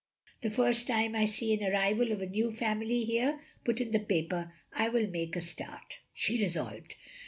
The first time I see an arrival of a new family here put in the paper, I will make a start," she resolved.